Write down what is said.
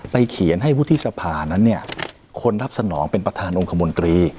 เขียนให้วุฒิสภานั้นเนี่ยคนรับสนองเป็นประธานองคมนตรี